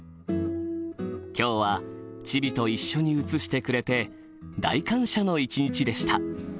「今日はチビと一緒に写してくれて大感謝の一日でした」